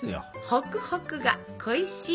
「ホクホクが恋しい！」。